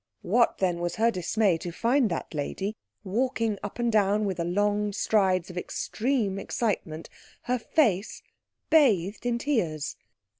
What, then, was her dismay to find that lady walking up and down with the long strides of extreme excitement, her face bathed in tears.